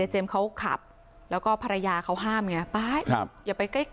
เฮ้ยป๊าป๊าป๊าป๊าอย่าไปใกล้